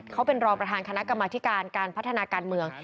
เขาเป็นรองประธานคณะกรรมธิการการพัฒนาการเมือง